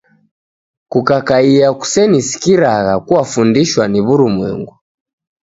kukakaia kusenisikragha kuafundishwa ni wurumwengu